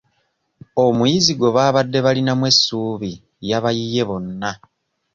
Omuyizi gwe baabadde balinamu essuubi yabayiye bonna.